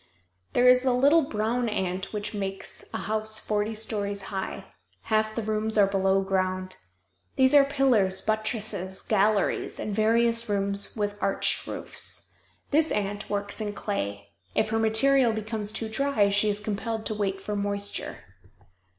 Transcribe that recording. There is a little brown ant which makes a house forty stories high; half the rooms are below ground. There are pillars, buttresses, galleries, and various rooms with arched roofs. This ant works in clay. If her material becomes too dry she is compelled to wait for moisture.